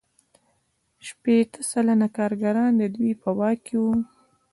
شپیته سلنه کارګران د دوی په واک کې وو